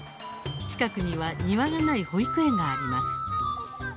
近くには庭がない保育園があります。